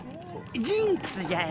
ジンクスじゃよ。